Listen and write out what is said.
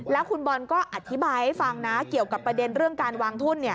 แล้วคุณบอลก็อธิบายให้ฟังนะเกี่ยวกับประเด็นเรื่องการวางทุน